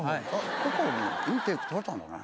結構いいテープとれたんだね。